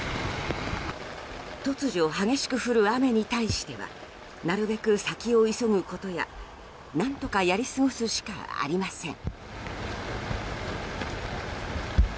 突如、激しく降る雨に対してはなるべく先を急ぐことや何とかやり過ごすしかありません。